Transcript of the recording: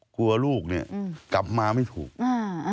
กลัวลูกเนี้ยอืมกลับมาไม่ถูกอ่า